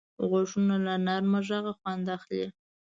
غوږونه له نرمه غږه خوند اخلي